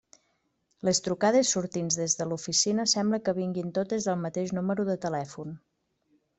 Les trucades sortints des de l'oficina sembla que vinguin totes del mateix número de telèfon.